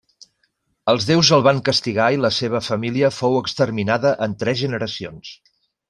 Els deus el van castigar i la seva família fou exterminada en tres generacions.